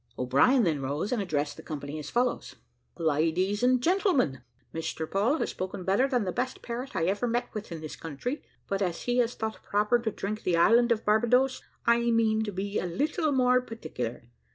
O'Brien then rose and addressed the company as follows: "Ladies an gentlemen Mr Poll has spoken better than the best parrot I ever met with in this country; but as he has thought proper to drink the `Island of Barbadoes,' I mean to be a little more particular.